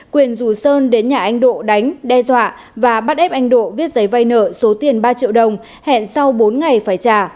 quyền rủ sơn đến nhà anh độ đánh đe dọa và bắt ép anh độ viết giấy vay nợ số tiền ba triệu đồng hẹn sau bốn ngày phải trả